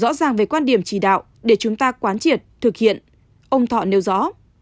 rõ ràng về quan điểm chỉ đạo để chúng ta quán triệt thực hiện ông thọ nêu rõ